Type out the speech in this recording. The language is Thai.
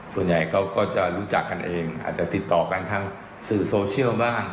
ส่วนใหญ่เขาก็จะรู้จักกันเองอาจจะติดต่อกันทางสื่อโซเชียลบ้าง